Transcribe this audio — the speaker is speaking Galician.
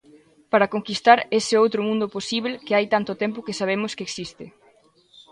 Para conquistar ese outro mundo posíbel que hai tanto tempo que sabemos que existe.